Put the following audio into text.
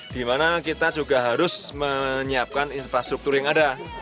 di mana kita juga harus menyiapkan infrastruktur yang ada